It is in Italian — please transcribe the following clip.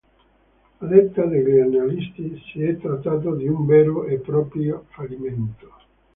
A detta degli analisti, si è trattato di un vero e proprio fallimento.